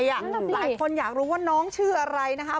หลายคนอยากรู้ว่าน้องชื่ออะไรนะคะ